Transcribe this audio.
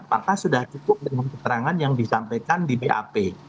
apakah sudah cukup dengan keterangan yang disampaikan di bap